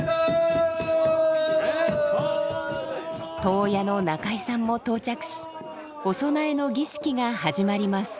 頭屋の中井さんも到着しお供えの儀式が始まります。